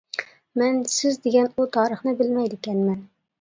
مەن سىز دېگەن ئۇ تارىخنى بىلمەيدىكەنمەن.